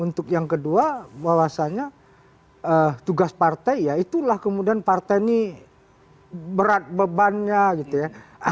untuk yang kedua bahwasanya tugas partai ya itulah kemudian partai ini berat bebannya gitu ya